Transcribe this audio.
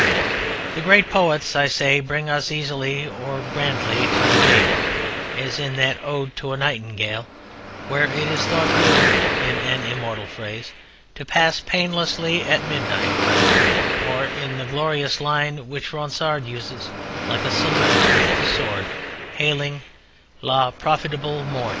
The great poets, I say, bring us easily or grandly to the gate: as in that Ode to a Nightingale where it is thought good (in an immortal phrase) to pass painlessly at midnight, or, in the glorious line which Ronsard uses, like a salute with the sword, hailing "la profitable mort."